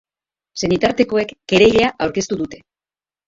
Senitartekoek kereila aurkeztu dute.